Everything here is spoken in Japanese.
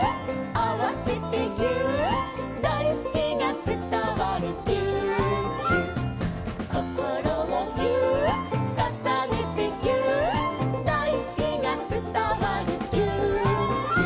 「あわせてぎゅーっ」「だいすきがつたわるぎゅーっぎゅ」「こころをぎゅーっ」「かさねてぎゅーっ」「だいすきがつたわるぎゅーっぎゅ」